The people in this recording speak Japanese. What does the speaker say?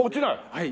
はい。